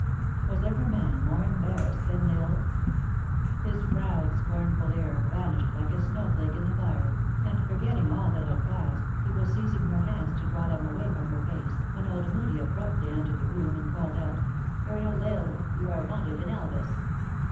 Was ever man more embarrassed than L Isle ? His proud, scornful air, vanished like a snow flake in the fire and forgetting all that had passed, he was seiz ing her hands to draw them away from her face, when old Moodie abruptly entered the room, and called out, " Colonel L Isle, you are wanted in Elvas